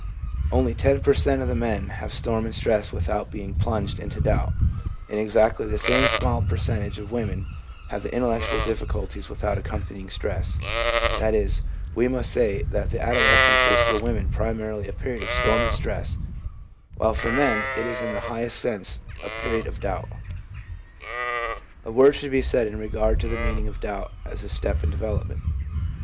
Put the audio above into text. Only 10 per cent, of the men have storm and stress without being plunged into doubt, and exactly the same small percentage of women have the intellectual difficulties without accompanying distress — that is, we may say that adolescence is for women primarily a period of storm and stress, while for men it is in the highest sense a period of doubt, A word should be said in regard to the meaning of doubt as a step in development.